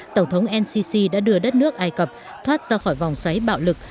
tổng thống ncc đã đưa đất nước ai cập thoát ra khỏi vòng xoáy bạo lực